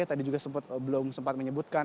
tadi juga belum sempat menyebutkan